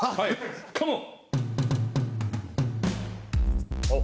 カモン。